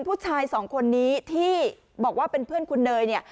ผู้ชาย๒คนนี้ที่บอกว่าเป็นเพื่อนคุณเนย